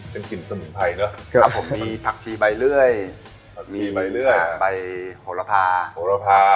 เป็นกลิ่นสมุนไพรเนอะครับผมมีผักชีใบเลื่อยผักชีใบเลื่อยใบโหระพาโหระพา